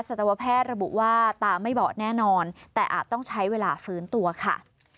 สตวแพทย์ระบุว่าตาไม่เบาะแน่นอนแต่อาจต้องใช้เวลาฟื้นตัวค่ะ